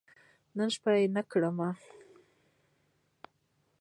نن شپه نوکري یم .